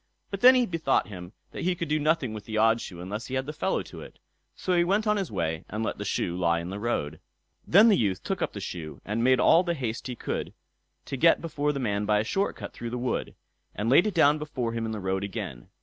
But then he bethought him that he could do nothing with the odd shoe unless he had the fellow to it; so he went on his way and let the shoe lie on the road. Then the youth took up the shoe, and made all the haste he could to get before the man by a short cut through the wood, and laid it down before him in the road again.